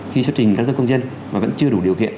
khi xuất trình căn cước công dân mà vẫn chưa đủ điều kiện